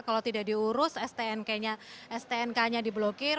kalau tidak diurus stnk nya diblokir